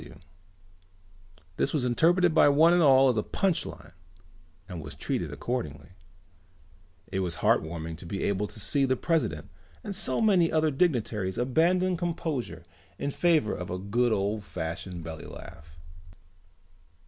F.W." This was interpreted by one and all as a punch line and was treated accordingly. It was heartwarming to be able to see the president and so many other dignitaries abandon composure in favor of a good old fashioned belly laugh.